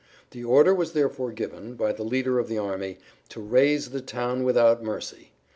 The order was therefore given—by the leader of the army—to raze the town without mercy.